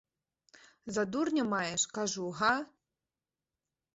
За дурня маеш, кажу, га?